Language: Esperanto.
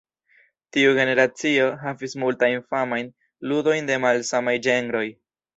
Tiu generacio havis multajn famajn ludojn de malsamaj ĝenroj.